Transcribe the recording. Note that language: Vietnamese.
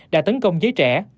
đã tấn công giấy trẻ